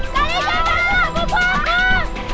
kalian jangan takut sepupu aku